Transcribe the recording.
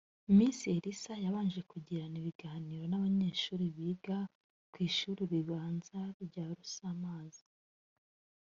Miss Elsa yabanje kugirana ibiganiro n’abanyeshuri biga ku ishuri ribanza rya Rusamaza